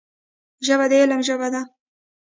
ژبه د علم ژبه ده